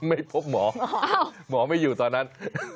ไม่พบหมอหมอไม่อยู่ตอนนั้น